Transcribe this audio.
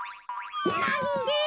なんで。